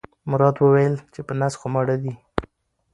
مراد وویل چې په نس خو ماړه دي.